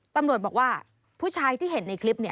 ตำรวจบอกว่าผู้ชายที่เห็นในคลิปเนี่ย